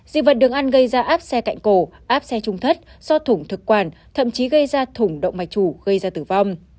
dị vật đường ăn gây ra áp xe cạnh cổ áp xe trung thất do thủng thực quản thậm chí gây ra thủng động mạch chủ gây ra tử vong